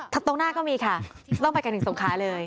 ตรงหน้าก็มีค่ะต้องไปกันถึงสงขาเลย